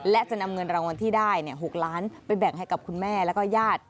และจะนำเงินรางวัลที่ได้๖ล้านไปแบ่งให้กับคุณแม่แล้วก็ญาติ